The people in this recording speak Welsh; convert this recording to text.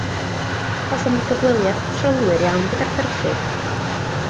Cawsom ni gyfweliad trylwyr iawn gyda'r fferyllydd.